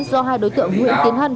do hai đối tượng nguyễn tiến hân